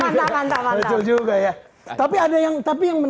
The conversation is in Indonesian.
mantap mantap mantap